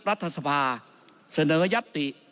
รัฐสภาเสนอยัตติ